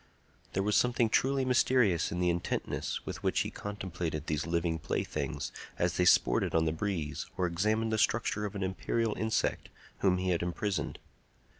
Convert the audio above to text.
There was something truly mysterious in the intentness with which he contemplated these living playthings as they sported on the breeze or examined the structure of an imperial insect whom he had imprisoned.